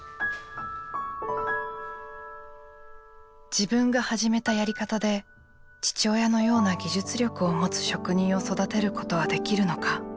自分が始めたやり方で父親のような技術力を持つ職人を育てることはできるのか。